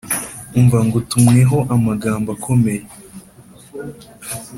Umva ngutumweho amagambo akomeye